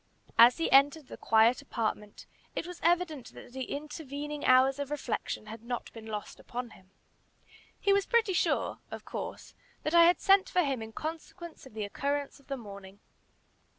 As he entered the quiet apartment, it was evident that the intervening hours of reflection had not been lost upon him. He was pretty sure, of course, that I had sent for him in consequence of the occurrence of the morning.